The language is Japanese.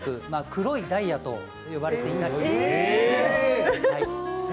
黒いダイヤと呼ばれています。